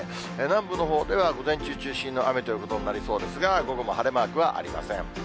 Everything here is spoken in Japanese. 南部のほうでは午前中中心の雨ということになりそうですが、午後も晴れマークはありません。